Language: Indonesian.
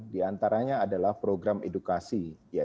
di antara nya adalah program edukasi yaitu dalam bentuk pelatihan asp sendiri